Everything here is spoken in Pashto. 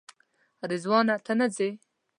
رضوانه ته نه ځې؟